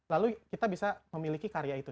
lalu kita bisa memiliki karya itu